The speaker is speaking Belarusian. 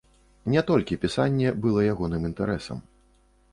Не толькі пісанне была ягоным інтарэсам.